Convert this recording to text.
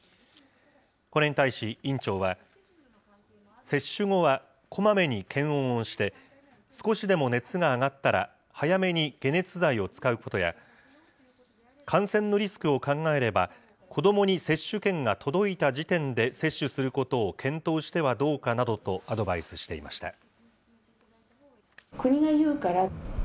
これに対し院長は、接種後はこまめに検温をして、少しでも熱が上がったら、早めに解熱剤を使うことや、感染のリスクを考えれば、子どもに接種券が届いた時点で、接種することを検討してはどうかなどとアドバイスしていました。